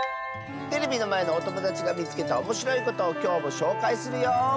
テレビのまえのおともだちがみつけたおもしろいことをきょうもしょうかいするよ！